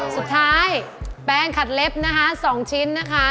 สุดท้ายแปรงขัดเล็บ๒ชิ้นนะคะ